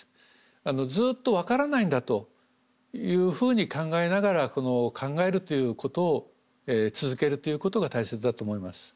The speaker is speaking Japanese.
ずっと分からないんだというふうに考えながら考えるということを続けるということが大切だと思います。